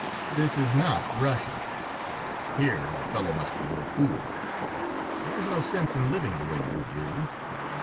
"This is not Russia. Here a fellow must be no fool. There is no sense in living the way you do.